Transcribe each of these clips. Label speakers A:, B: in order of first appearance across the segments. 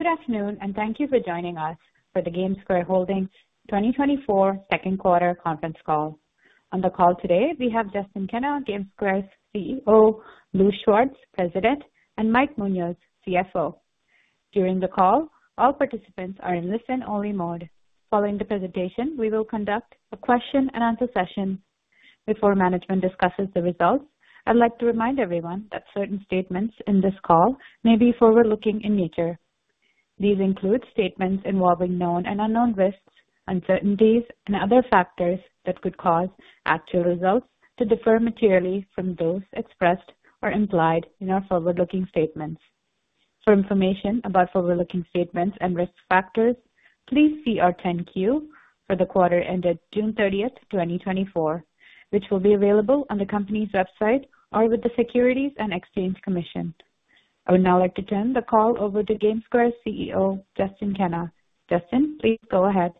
A: Good afternoon, and thank you for joining us for the GameSquare Holdings 2024 second quarter conference call. On the call today, we have Justin Kenna, GameSquare's CEO, Lou Schwartz, President, and Mike Munoz, CFO. During the call, all participants are in listen-only mode. Following the presentation, we will conduct a question-and-answer session. Before management discusses the results, I'd like to remind everyone that certain statements in this call may be forward-looking in nature. These include statements involving known and unknown risks, uncertainties, and other factors that could cause actual results to differ materially from those expressed or implied in our forward-looking statements. For information about forward-looking statements and risk factors, please see our 10-Q for the quarter ended June 30, 2024, which will be available on the company's website or with the Securities and Exchange Commission. I would now like to turn the call over to GameSquare's CEO, Justin Kenna. Justin, please go ahead.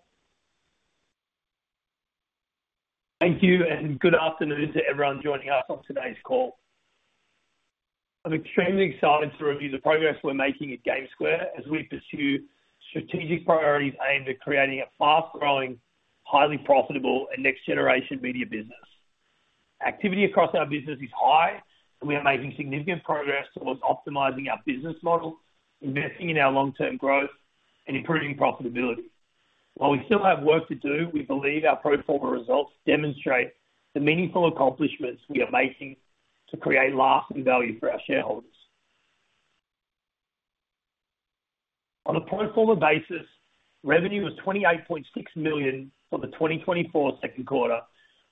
B: Thank you, and good afternoon to everyone joining us on today's call. I'm extremely excited to review the progress we're making at GameSquare as we pursue strategic priorities aimed at creating a fast-growing, highly profitable and next-generation media business. Activity across our business is high, and we are making significant progress towards optimizing our business model, investing in our long-term growth, and improving profitability. While we still have work to do, we believe our pro forma results demonstrate the meaningful accomplishments we are making to create lasting value for our shareholders. On a pro forma basis, revenue was $28.6 million for the 2024 second quarter,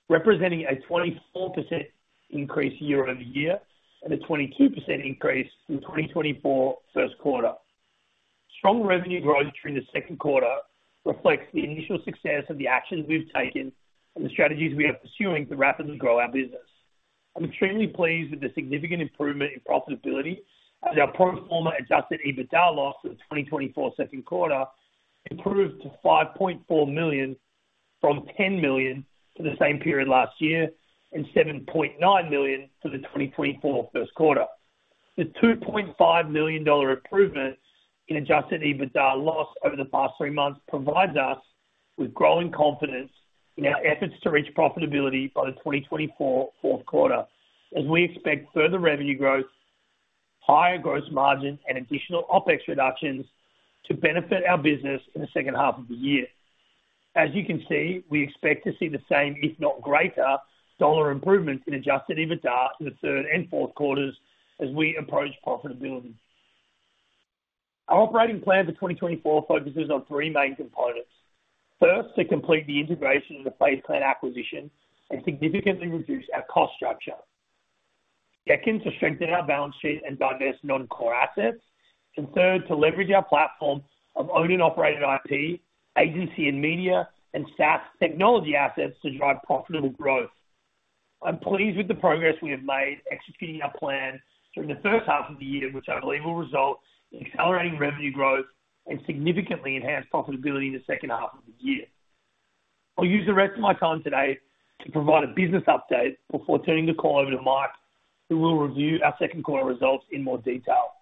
B: representing a 24% increase year-over-year and a 22% increase from 2024 first quarter. Strong revenue growth during the second quarter reflects the initial success of the actions we've taken and the strategies we are pursuing to rapidly grow our business. I'm extremely pleased with the significant improvement in profitability as our pro forma adjusted EBITDA loss for the 2024 second quarter improved to $5.4 million from $10 million for the same period last year, and $7.9 million for the 2024 first quarter. The $2.5 million improvement in adjusted EBITDA loss over the past three months provides us with growing confidence in our efforts to reach profitability by the 2024 fourth quarter, as we expect further revenue growth, higher gross margins, and additional OpEx reductions to benefit our business in the second half of the year. As you can see, we expect to see the same, if not greater, dollar improvements in Adjusted EBITDA in the third and fourth quarters as we approach profitability. Our operating plan for 2024 focuses on three main components. First, to complete the integration of the FaZe Clan acquisition and significantly reduce our cost structure. Second, to strengthen our balance sheet and divest non-core assets. And third, to leverage our platform of owned and operated IP, agency and media, and SaaS technology assets to drive profitable growth. I'm pleased with the progress we have made executing our plan during the first half of the year, which I believe will result in accelerating revenue growth and significantly enhanced profitability in the second half of the year. I'll use the rest of my time today to provide a business update before turning the call over to Mike, who will review our second quarter results in more detail.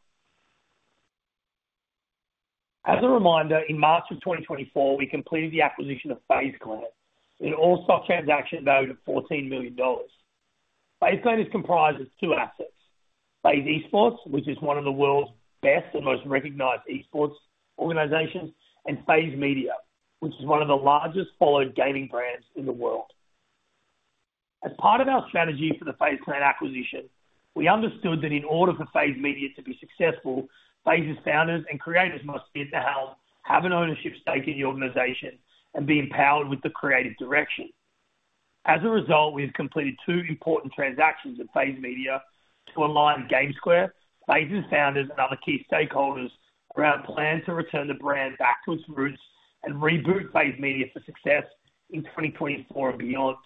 B: As a reminder, in March of 2024, we completed the acquisition of FaZe Clan, an all-stock transaction valued at $14 million. FaZe Clan is comprised of two assets: FaZe Esports, which is one of the world's best and most recognized esports organizations, and FaZe Media, which is one of the largest followed gaming brands in the world. As part of our strategy for the FaZe Clan acquisition, we understood that in order for FaZe Media to be successful, FaZe's founders and creators must be at the helm, have an ownership stake in the organization, and be empowered with the creative direction. As a result, we have completed two important transactions at FaZe Media to align GameSquare, FaZe's founders, and other key stakeholders around plans to return the brand back to its roots and reboot FaZe Media for success in 2024 and beyond.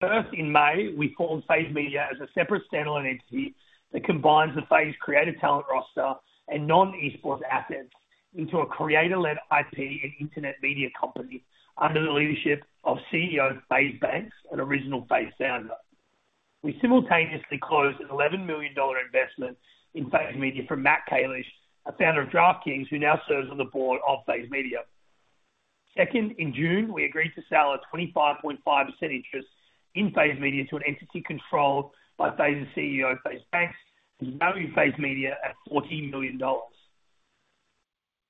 B: First, in May, we formed FaZe Media as a separate standalone entity that combines the FaZe creative talent roster and non-esports assets into a creator-led IP and internet media company under the leadership of CEO FaZe Banks, an original FaZe founder. We simultaneously closed an $11 million investment in FaZe Media from Matt Kalish, a founder of DraftKings, who now serves on the board of FaZe Media. Second, in June, we agreed to sell a 25.5% interest in FaZe Media to an entity controlled by FaZe's CEO, FaZe Banks, valuing FaZe Media at $14 million.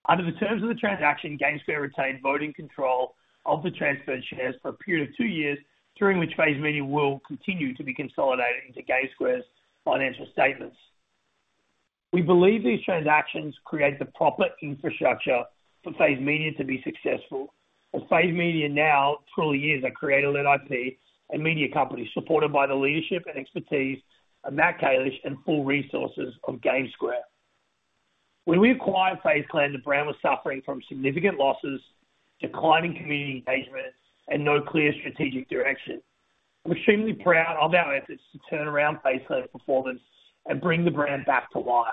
B: Under the terms of the transaction, GameSquare retained voting control of the transferred shares for a period of two years, during which FaZe Media will continue to be consolidated into GameSquare's financial statements. We believe these transactions create the proper infrastructure for FaZe Media to be successful, as FaZe Media now truly is a creator-led IP and media company, supported by the leadership and expertise of Matt Kalish and full resources of GameSquare. When we acquired FaZe Clan, the brand was suffering from significant losses, declining community engagement, and no clear strategic direction. I'm extremely proud of our efforts to turn around FaZe Clan's performance and bring the brand back to life.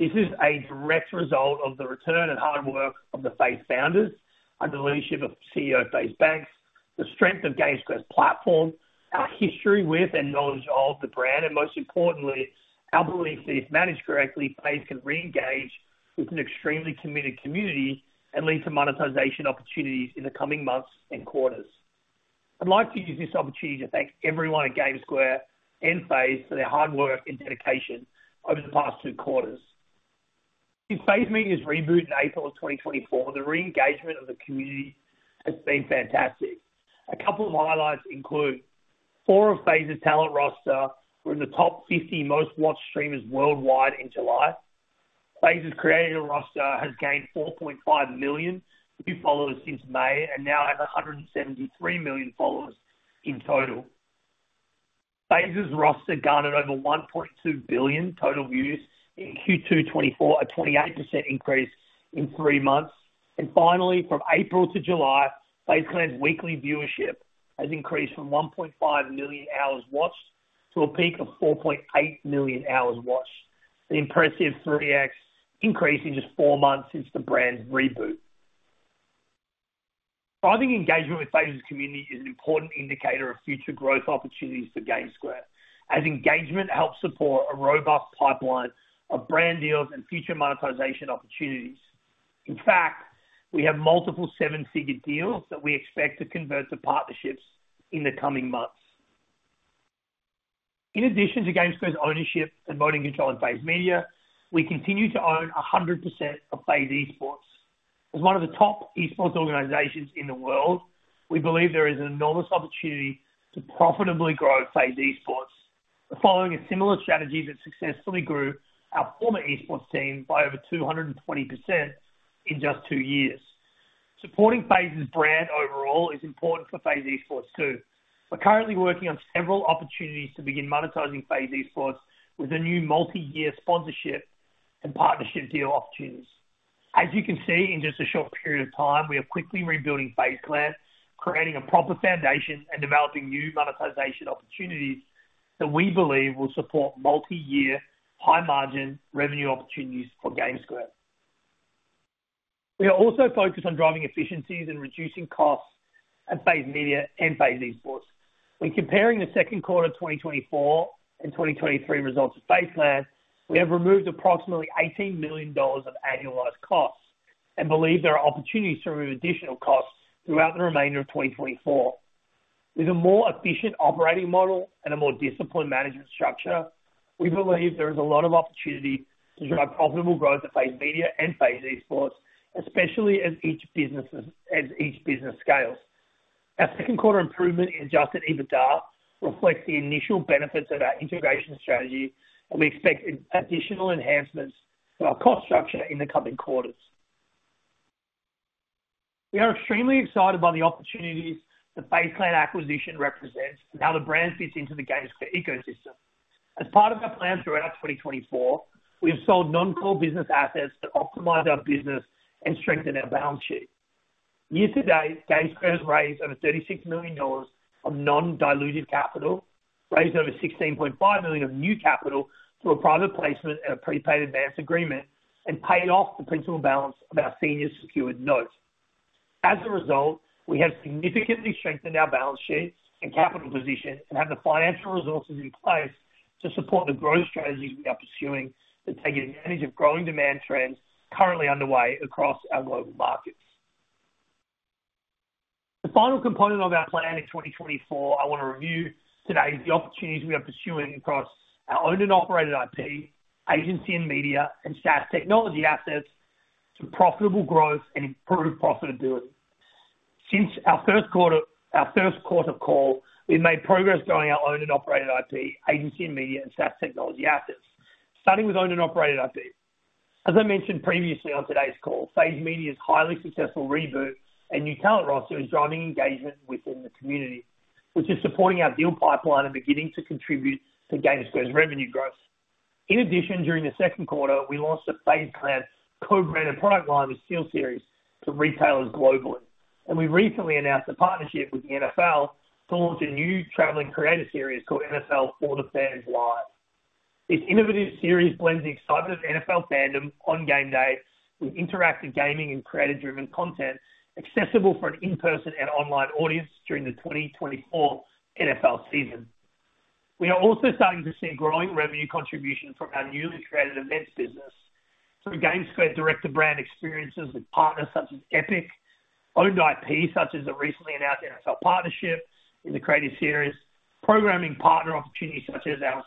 B: This is a direct result of the return and hard work of the FaZe founders under the leadership of CEO FaZe Banks. The strength of GameSquare's platform, our history with and knowledge of the brand, and most importantly, our belief that if managed correctly, FaZe can reengage with an extremely committed community and lead to monetization opportunities in the coming months and quarters. I'd like to use this opportunity to thank everyone at GameSquare and FaZe for their hard work and dedication over the past two quarters. Since FaZe Media's reboot in April of 2024, the reengagement of the community has been fantastic. A couple of highlights include four of FaZe's talent roster were in the top 50 most watched streamers worldwide in July. FaZe's creative roster has gained 4.5 million new followers since May and now has 173 million followers in total. FaZe's roster garnered over 1.2 billion total views in Q2 2024, a 28% increase in three months. Finally, from April to July, FaZe Clan's weekly viewership has increased from 1.5 million hours watched to a peak of 4.8 million hours watched. An impressive 3x increase in just four months since the brand's reboot. Driving engagement with FaZe's community is an important indicator of future growth opportunities for GameSquare, as engagement helps support a robust pipeline of brand deals and future monetization opportunities. In fact, we have multiple seven-figure deals that we expect to convert to partnerships in the coming months. In addition to GameSquare's ownership and voting control in FaZe Media, we continue to own 100% of FaZe Esports. As one of the top esports organizations in the world, we believe there is an enormous opportunity to profitably grow FaZe Esports. Following a similar strategy that successfully grew our former esports team by over 220% in just two years. Supporting FaZe's brand overall is important for FaZe Esports, too. We're currently working on several opportunities to begin monetizing FaZe Esports with a new multiyear sponsorship and partnership deal opportunities. As you can see, in just a short period of time, we are quickly rebuilding FaZe Clan, creating a proper foundation, and developing new monetization opportunities that we believe will support multiyear, high-margin revenue opportunities for GameSquare. We are also focused on driving efficiencies and reducing costs at FaZe Media and FaZe Esports. When comparing the second quarter of 2024 and 2023 results of FaZe Clan, we have removed approximately $18 million of annualized costs and believe there are opportunities to remove additional costs throughout the remainder of 2024. With a more efficient operating model and a more disciplined management structure, we believe there is a lot of opportunity to drive profitable growth at FaZe Media and FaZe Esports, especially as each businesses -- as each business scales. Our second quarter improvement in adjusted EBITDA reflects the initial benefits of our integration strategy, and we expect additional enhancements to our cost structure in the coming quarters. We are extremely excited by the opportunities the FaZe Clan acquisition represents and how the brand fits into the GameSquare ecosystem. As part of our plan throughout 2024, we have sold non-core business assets that optimize our business and strengthen our balance sheet. Year to date, GameSquare has raised over $36 million of non-dilutive capital, raised over $16.5 million of new capital through a private placement and a prepaid advance agreement, and paid off the principal balance of our senior secured note. As a result, we have significantly strengthened our balance sheet and capital position and have the financial resources in place to support the growth strategies we are pursuing and taking advantage of growing demand trends currently underway across our global markets. The final component of our plan in 2024 I want to review today is the opportunities we are pursuing across our owned and operated IP, agency and media, and SaaS technology assets to profitable growth and improved profitability. Since our first quarter, our first quarter call, we've made progress growing our owned and operated IP, agency and media, and SaaS technology assets. Starting with owned and operated IP. As I mentioned previously on today's call, FaZe Media's highly successful reboot and new talent roster is driving engagement within the community, which is supporting our deal pipeline and beginning to contribute to GameSquare's revenue growth. In addition, during the second quarter, we launched a FaZe Clan co-branded product line with SteelSeries to retailers globally, and we recently announced a partnership with the NFL to launch a new traveling creator series called NFL 4 The Fans Live. This innovative series blends the excitement of NFL fandom on game day with interactive gaming and creator-driven content, accessible for an in-person and online audience during the 2024 NFL season. We are also starting to see growing revenue contribution from our newly created events business through GameSquare direct-to-brand experiences with partners such as Epic, owned IP, such as the recently announced NFL partnership in the creative series, programming partner opportunities such as our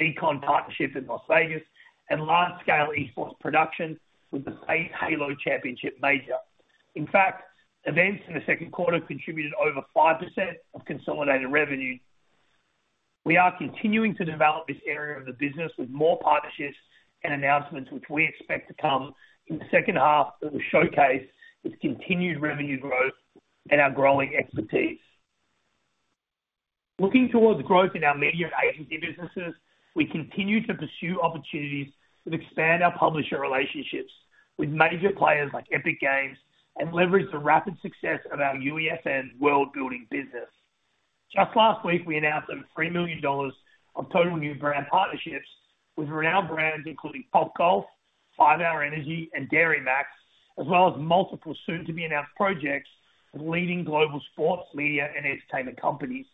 B: SEICon partnership in Las Vegas, and large-scale esports production with the FaZe Halo Championship Major. In fact, events in the second quarter contributed over 5% of consolidated revenue. We are continuing to develop this area of the business with more partnerships and announcements, which we expect to come in the second half that will showcase this continued revenue growth and our growing expertise. Looking towards growth in our media and agency businesses, we continue to pursue opportunities that expand our publisher relationships with major players like Epic Games and leverage the rapid success of our UEFN world-building business. Just last week, we announced over $3 million of total new brand partnerships with renowned brands, including Topgolf, 5-hour ENERGY, and Dairy MAX, as well as multiple soon-to-be-announced projects with leading global sports, media, and entertainment companies.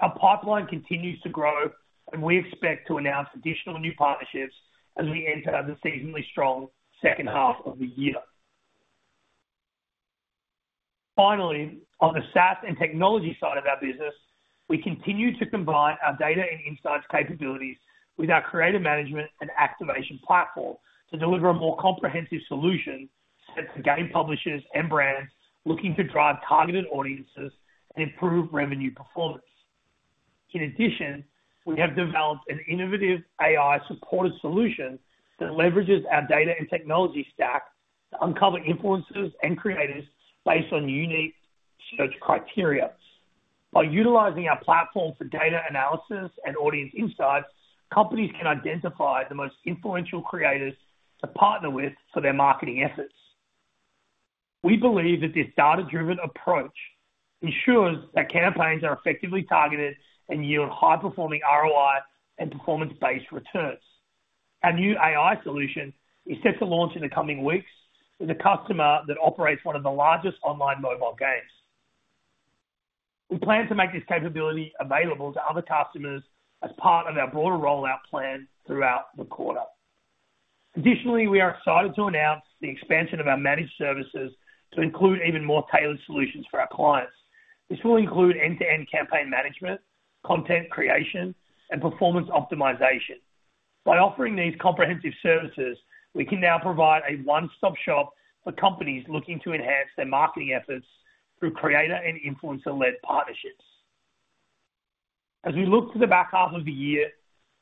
B: Our pipeline continues to grow, and we expect to announce additional new partnerships as we enter the seasonally strong second half of the year. Finally, on the SaaS and technology side of our business, we continue to combine our data and insights capabilities with our creative management and activation platform to deliver a more comprehensive solution set to game publishers and brands looking to drive targeted audiences and improve revenue performance. In addition, we have developed an innovative AI-supported solution that leverages our data and technology stack to uncover influencers and creators based on unique search criteria. By utilizing our platform for data analysis and audience insights, companies can identify the most influential creators to partner with for their marketing efforts. We believe that this data-driven approach ensures that campaigns are effectively targeted and yield high-performing ROI and performance-based returns. Our new AI solution is set to launch in the coming weeks with a customer that operates one of the largest online mobile games. We plan to make this capability available to other customers as part of our broader rollout plan throughout the quarter. Additionally, we are excited to announce the expansion of our managed services to include even more tailored solutions for our clients. This will include end-to-end campaign management, content creation, and performance optimization. By offering these comprehensive services, we can now provide a one-stop shop for companies looking to enhance their marketing efforts through creator and influencer-led partnerships. As we look to the back half of the year,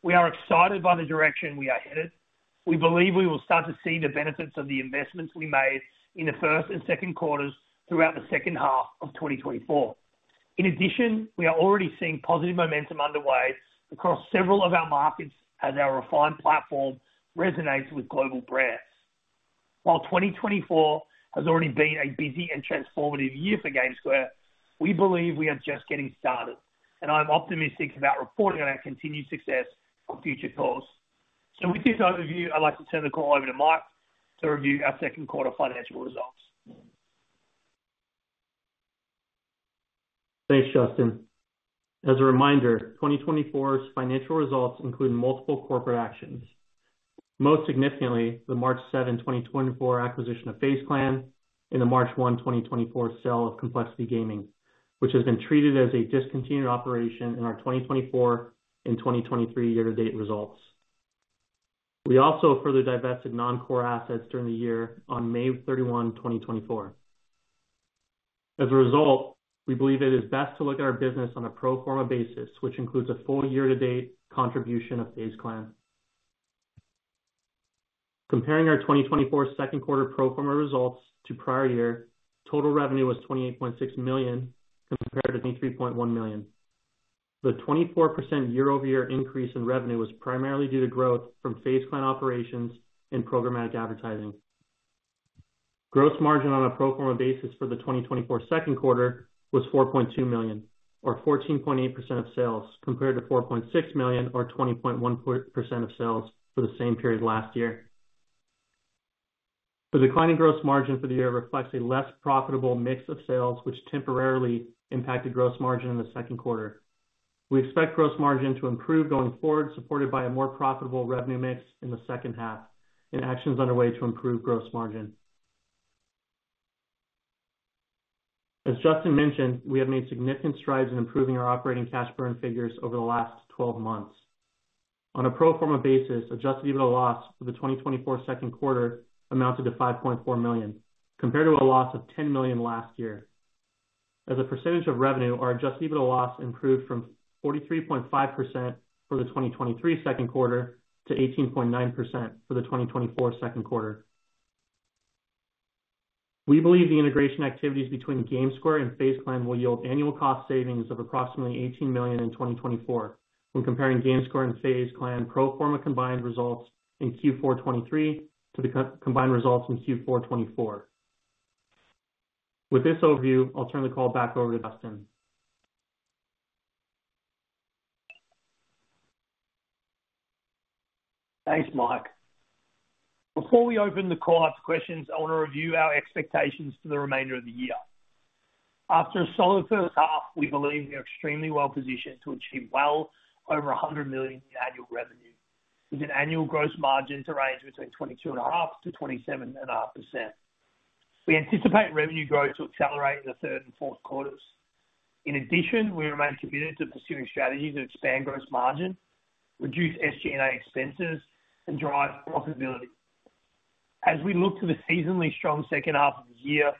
B: we are excited by the direction we are headed. We believe we will start to see the benefits of the investments we made in the first and second quarters throughout the second half of 2024. In addition, we are already seeing positive momentum underway across several of our markets as our refined platform resonates with global brands. While 2024 has already been a busy and transformative year for GameSquare, we believe we are just getting started, and I'm optimistic about reporting on our continued success on future calls. With this overview, I'd like to turn the call over to Mike to review our second quarter financial results.
C: Thanks, Justin. As a reminder, 2024's financial results include multiple corporate actions. Most significantly, the March 7, 2024, acquisition of FaZe Clan and the March 1, 2024, sale of Complexity Gaming, which has been treated as a discontinued operation in our 2024 and 2023 year-to-date results. We also further divested non-core assets during the year on May 31, 2024. As a result, we believe it is best to look at our business on a pro forma basis, which includes a full year-to-date contribution of FaZe Clan. Comparing our 2024 second quarter pro forma results to prior year, total revenue was $28.6 million, compared to $23.1 million. The 24% year-over-year increase in revenue was primarily due to growth from FaZe Clan operations and programmatic advertising. Gross margin on a pro forma basis for the 2024 second quarter was $4.2 million, or 14.8% of sales, compared to $4.6 million, or 20.1% of sales for the same period last year. The declining gross margin for the year reflects a less profitable mix of sales, which temporarily impacted gross margin in the second quarter. We expect gross margin to improve going forward, supported by a more profitable revenue mix in the second half and actions underway to improve gross margin. As Justin mentioned, we have made significant strides in improving our operating cash burn figures over the last 12 months. On a pro forma basis, Adjusted EBITDA loss for the 2024 second quarter amounted to $5.4 million, compared to a loss of $10 million last year. As a percentage of revenue, our adjusted EBITDA loss improved from 43.5% for the 2023 second quarter to 18.9% for the 2024 second quarter. We believe the integration activities between GameSquare and FaZe Clan will yield annual cost savings of approximately $18 million in 2024 when comparing GameSquare and FaZe Clan pro forma combined results in Q4 2023 to the combined results in Q4 2024. With this overview, I'll turn the call back over to Justin.
B: Thanks, Mike. Before we open the call up to questions, I want to review our expectations for the remainder of the year. After a solid first half, we believe we are extremely well positioned to achieve well over $100 million in annual revenue, with an annual gross margin to range between 22.5%-27.5%. We anticipate revenue growth to accelerate in the third and fourth quarters. In addition, we remain committed to pursuing strategies that expand gross margin, reduce SG&A expenses, and drive profitability. As we look to the seasonally strong second half of the year,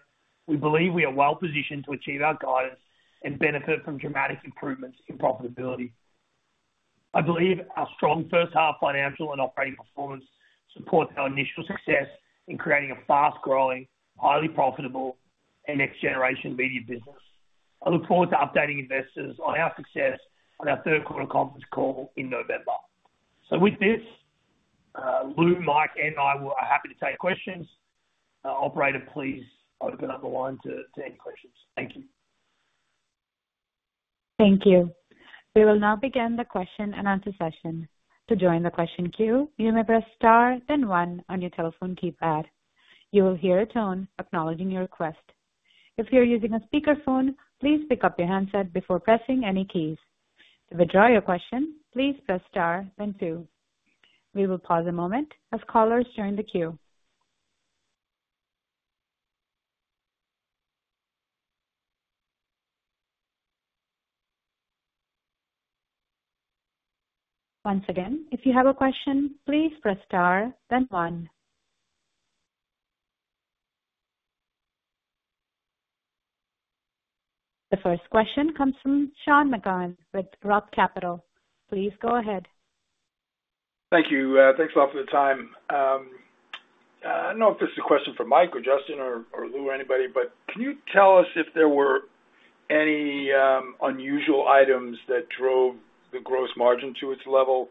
B: we believe we are well positioned to achieve our guidance and benefit from dramatic improvements in profitability. I believe our strong first half financial and operating performance supports our initial success in creating a fast-growing, highly profitable, and next-generation media business. I look forward to updating investors on our success on our third quarter conference call in November. Lou, Mike, and I are happy to take questions. Operator, please open up the line to any questions. Thank you.
A: Thank you. We will now begin the question and answer session. To join the question queue, you may press star then one on your telephone keypad. You will hear a tone acknowledging your request. If you're using a speakerphone, please pick up your handset before pressing any keys. To withdraw your question, please press star then two. We will pause a moment as callers join the queue. Once again, if you have a question, please press star, then one. The first question comes from Sean McGowan with Roth Capital. Please go ahead.
D: Thank you. Thanks a lot for the time. I don't know if this is a question for Mike or Justin or Lou or anybody, but can you tell us if there were any unusual items that drove the gross margin to its level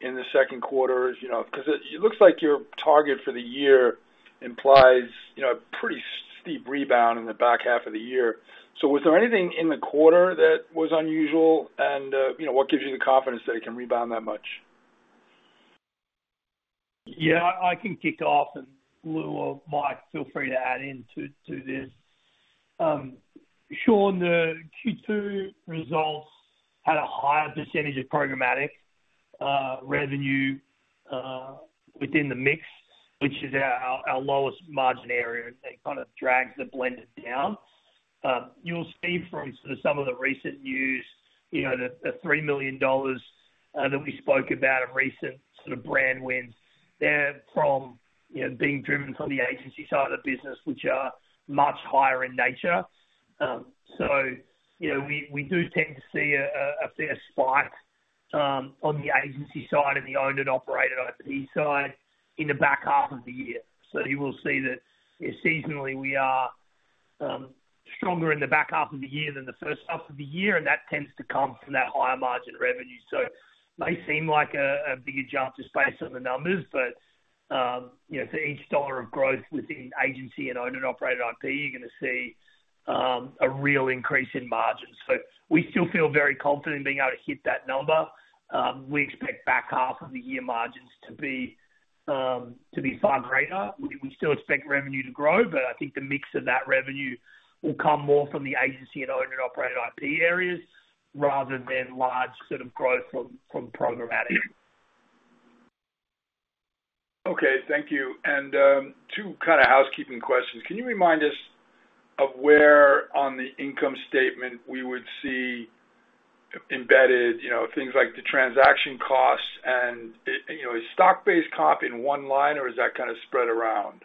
D: in the second quarter? As you know, 'cause it looks like your target for the year implies, you know, a pretty steep rebound in the back half of the year. So was there anything in the quarter that was unusual? And, you know, what gives you the confidence that it can rebound that much?
B: Yeah, I can kick off, and Lou or Mike, feel free to add in to this. Sean, the Q2 results had a higher percentage of programmatic revenue within the mix, which is our lowest margin area, and it kind of drags the blended down. You'll see from sort of some of the recent news, you know, the $3 million that we spoke about in recent sort of brand wins. They're from, you know, being driven from the agency side of the business, which are much higher in nature. So, you know, we do tend to see a fair spike on the agency side and the owned and operated IP side in the back half of the year. So you will see that seasonally, we are stronger in the back half of the year than the first half of the year, and that tends to come from that higher margin revenue. So it may seem like a bigger jump just based on the numbers, but you know, for each dollar of growth within agency and owned and operated IP, you're gonna see a real increase in margins. So we still feel very confident in being able to hit that number. We expect back half of the year margins to be far greater. We still expect revenue to grow, but I think the mix of that revenue will come more from the agency and owned and operated IP areas, rather than large sort of growth from programmatic.
D: Okay, thank you. And two kind of housekeeping questions. Can you remind us of where on the income statement we would see embedded, you know, things like the transaction costs and, it, you know, is stock-based comp in one line, or is that kind of spread around?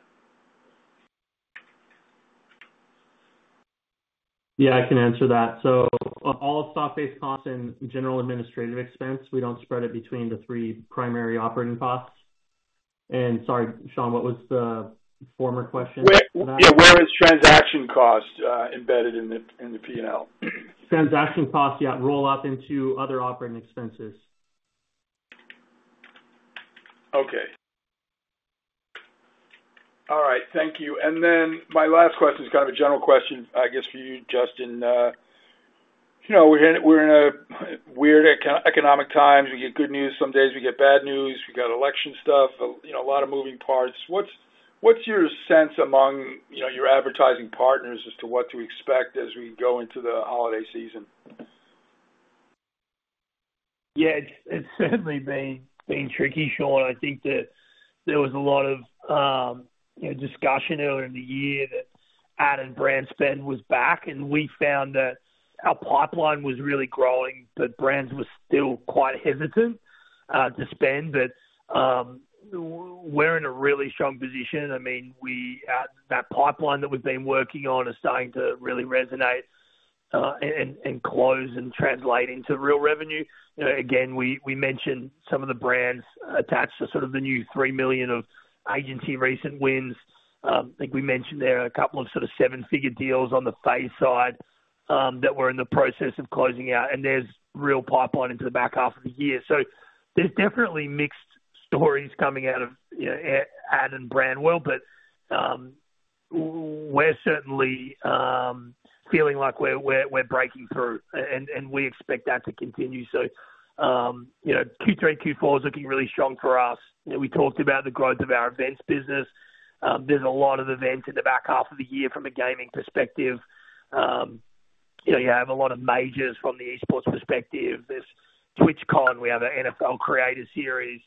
C: Yeah, I can answer that. So all stock-based costs in general, administrative expense, we don't spread it between the three primary operating costs. Sorry, Sean, what was the former question?
D: Where, yeah, where is transaction cost embedded in the PNL?
C: Transaction costs, yeah, roll up into other operating expenses.
D: Okay. All right, thank you. And then my last question is kind of a general question, I guess, for you, Justin. You know, we're in a weird economic times. We get good news some days, we get bad news, we've got election stuff, you know, a lot of moving parts. What's your sense among your advertising partners as to what to expect as we go into the holiday season?
B: Yeah, it's certainly been tricky, Sean. I think that there was a lot of, you know, discussion earlier in the year that ad and brand spend was back, and we found that our pipeline was really growing, but brands were still quite hesitant to spend. But we're in a really strong position. I mean, that pipeline that we've been working on is starting to really resonate, and close and translate into real revenue. You know, again, we mentioned some of the brands attached to sort of the new $3 million of agency recent wins. I think we mentioned there are a couple of sort of 7-figure deals on the FaZe side, that we're in the process of closing out, and there's real pipeline into the back half of the year. So there's definitely mixed stories coming out of, you know, ad and brand world, but we're certainly feeling like we're breaking through, and we expect that to continue. So, you know, Q3, Q4 is looking really strong for us. You know, we talked about the growth of our events business. There's a lot of events in the back half of the year from a gaming perspective. You know, you have a lot of majors from the esports perspective. There's TwitchCon, we have an NFL Creator series.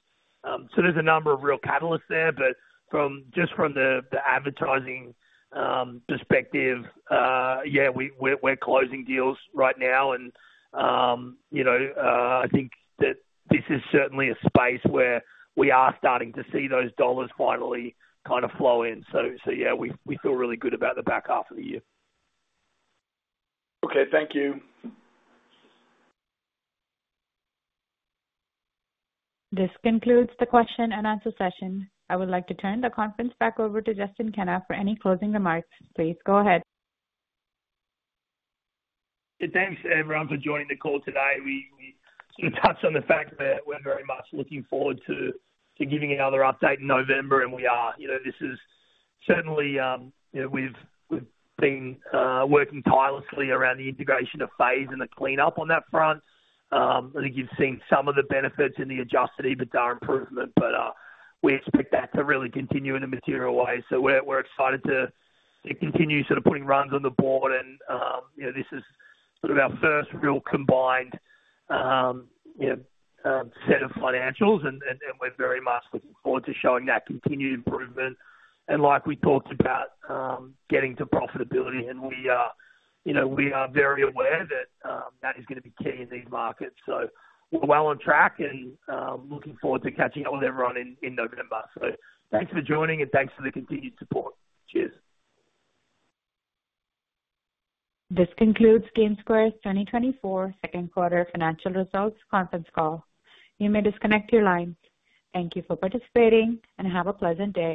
B: So there's a number of real catalysts there. But from just the advertising perspective, yeah, we're closing deals right now and, you know, I think that this is certainly a space where we are starting to see those dollars finally kind of flow in. So yeah, we feel really good about the back half of the year.
D: Okay, thank you.
A: This concludes the question and answer session. I would like to turn the conference back over to Justin Kenna for any closing remarks. Please go ahead.
B: Thanks, everyone, for joining the call today. We sort of touched on the fact that we're very much looking forward to giving another update in November, and we are. You know, this is certainly, you know, we've been working tirelessly around the integration of FaZe and the cleanup on that front. I think you've seen some of the benefits in the Adjusted EBITDA improvement, but we expect that to really continue in a material way. So we're excited to continue sort of putting runs on the board and, you know, this is sort of our first real combined, you know, set of financials, and we're very much looking forward to showing that continued improvement. Like we talked about, getting to profitability, and we are, you know, we are very aware that that is gonna be key in these markets. So we're well on track and looking forward to catching up with everyone in November. So thanks for joining and thanks for the continued support. Cheers!
A: This concludes GameSquare's 2024 second quarter financial results conference call. You may disconnect your lines. Thank you for participating, and have a pleasant day.